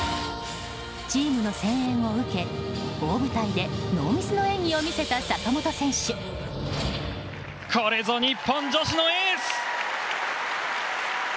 チームの声援を受け大舞台でノーミスの演技を見せたこれぞ日本女子のエース！